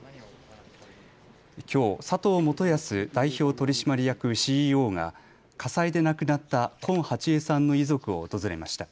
きょう佐藤元保代表取締役ＣＥＯが火災で亡くなった近ハチヱさんの遺族を訪れました。